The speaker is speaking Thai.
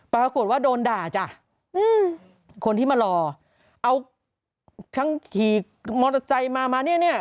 ปรากฏว่าโดนด่าจ้ะอืมคนที่มารอเอาทั้งขี่มอเตอร์ไซค์มามาเนี่ยเนี่ย